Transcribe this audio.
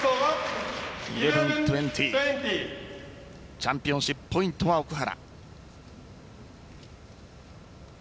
チャンピオンシップポイントは奥原。